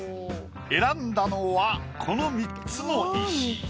選んだのはこの３つの石。